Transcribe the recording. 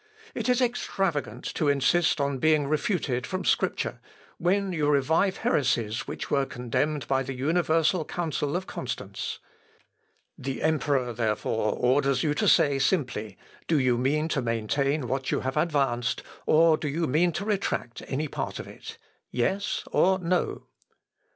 It is extravagant to insist on being refuted from Scripture, when you revive heresies which were condemned by the universal Council of Constance. The emperor, therefore, orders you to say simply, Do you mean to maintain what you have advanced, or do you mean, to retract any part of it yes, or no?"